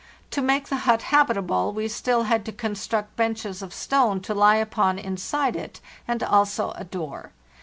To make the hut habitable we still had to construct benches of stone to lie upon inside it, and also adoor.